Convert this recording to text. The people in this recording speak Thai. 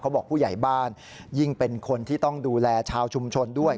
บอกผู้ใหญ่บ้านยิ่งเป็นคนที่ต้องดูแลชาวชุมชนด้วย